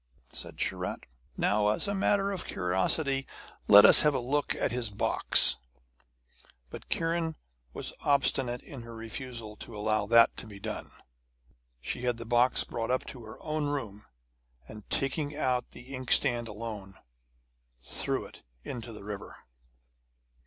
Said Sharat: 'Now, as a matter of curiosity, let us have a look at his box.' But Kiran was obstinate in her refusal to allow that to be done. She had the box brought up to her own room; and taking out the inkstand alone, threw it into the river.